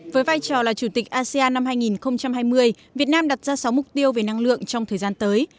với vai trò là chủ tịch asean năm hai nghìn hai mươi việt nam đặt ra sáu mục tiêu về năng lượng trong thời gian tới